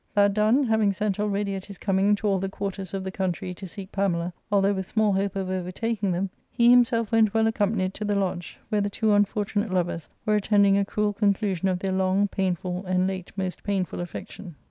That done, having sent already at his coming to all the quarters of the country to seek Pamela, although with small hope of overtaking them, he himself went well accompanied to the lodge, where the two unfor tunate lovers were attending a cruel conclusion of their long, painful, and late most painful affection.